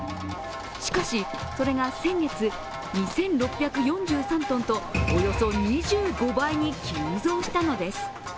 しかし、それが先月２６４３ｔとおよそ２５倍に急増したのです。